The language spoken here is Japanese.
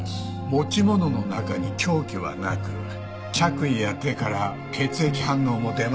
持ち物の中に凶器はなく着衣や手から血液反応も出ませんでした。